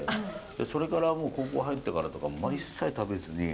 それからもう高校入ってからとか一切食べずに。